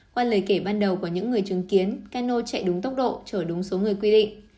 qua lời kể ban đầu của những người chứng kiến cano chạy đúng tốc độ chở đúng số người quy định